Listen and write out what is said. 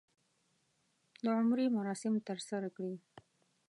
د عمرې مراسم ترسره کړي.